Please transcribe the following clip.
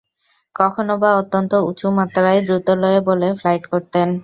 কখনোবা অত্যন্ত উঁচুমাত্রায় দ্রুতলয়ে বলে ফ্লাইট করতেন।